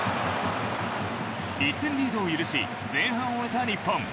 １点リードを許し前半を終えた日本。